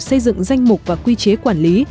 xây dựng danh mục và quy chế quản lý